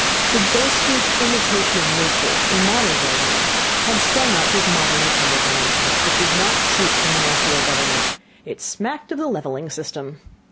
The boasted imitation of nature in modern gardening had sprung up with modern republican notions, but did not suit a monarchical government; it smacked of the levelling system.